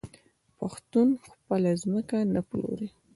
پښتون خپله ځمکه نه پلوري.